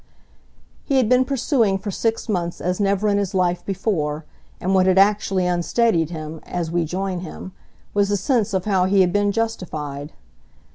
He had been pursuing for six months as never in his life before, and what had actually unsteadied him, as we join him, was the sense of how he had been justified.